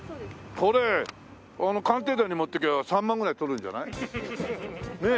これ『鑑定団』に持っていけば３万ぐらい取るんじゃない？ねえ。